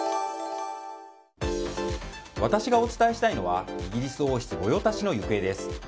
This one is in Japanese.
私がお伝えしたいのはイギリス王室御用達の行方です。